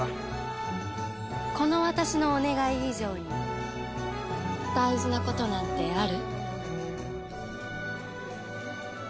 この私のお願い以上に大事なことなんてある？